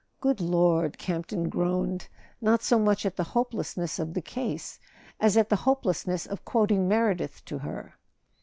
"Good Lord," Campton groaned, not so much at the hopelessness of the case as at the hopelessness of quoting Meredith to her.